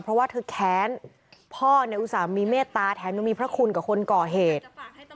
เพราะว่าเธอแค้นพ่อเนี่ยอุตส่าห์มีเมตตาแถมยังมีพระคุณกับคนก่อเหตุ